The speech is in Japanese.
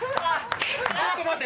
ちょっと待って！